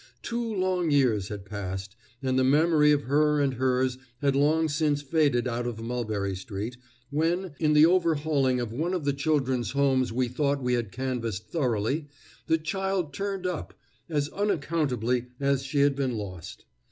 Two long years had passed, and the memory of her and hers had long since faded out of Mulberry street, when, in the overhauling of one of the children's homes we thought we had canvassed thoroughly, the child turned up, as unaccountably as she had been lost.